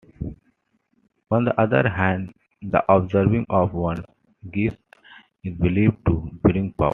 On the other hand, the observing of one's "geas" is believed to bring power.